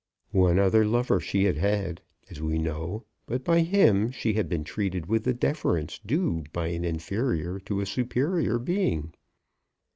One other lover she had had, as we know; but by him she had been treated with the deference due by an inferior to a superior being.